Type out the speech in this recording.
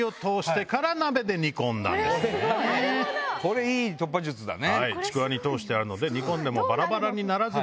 これいい突破術だね。